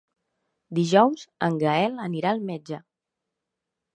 Dijous en Gaël anirà al metge.